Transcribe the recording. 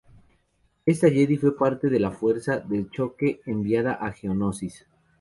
Esta Jedi fue parte de la fuerza de choque enviada a Geonosis.